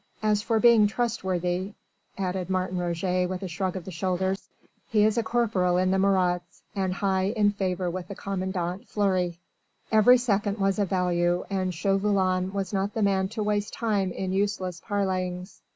As for being trustworthy ..." added Martin Roget with a shrug of the shoulders. "He is a corporal in the Marats and high in favour with commandant Fleury." Every second was of value, and Chauvelin was not the man to waste time in useless parleyings.